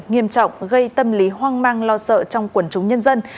nghiêm trọng gây tâm lý hoang mang lo sợ trong quần chúng nhân dân